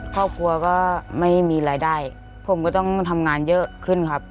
ครอบครัวก็ไม่มีรายได้ผมก็ต้องทำงานเยอะขึ้นครับ